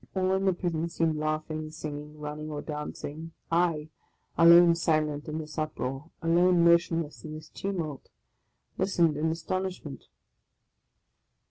All in the prison seemed laughing, singing, running, or dancing ; I — alone silent in this uproar, alone motionless in this tumult — listened in astonishment.